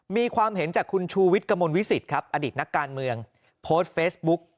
มีความเห็นจากคุณชูวิทย์กระมวลวิสิตครับอดีตนักการเมืองโพสต์เฟซบุ๊ก